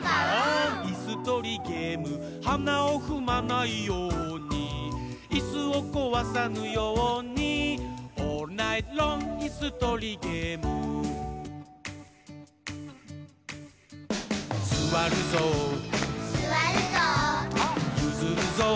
いすとりゲーム」「はなをふまないように」「いすをこわさぬように」「オールナイトロングいすとりゲーム」「すわるぞう」「ゆずるぞう」